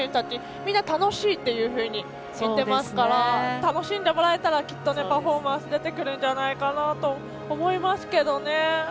みんな楽しいっていうふうに言っていますから楽しんでもらえたらきっとパフォーマンス出てくるんじゃないかなと思います。